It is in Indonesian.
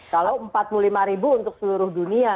kalau empat puluh lima ribu untuk seluruh dunia